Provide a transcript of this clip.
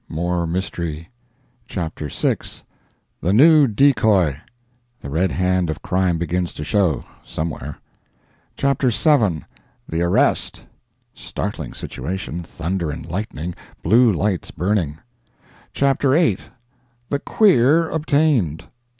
—more mystery. Chapter VI.—"The New Decoy!"—the red hand of crime begins to show—somewhere. Chapter VII.—"The Arrest! "—startling situation—thunder and lightning—blue lights burning. Chapter VIII.—"The 'Queer' Obtained!"